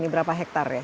berapa hektar ya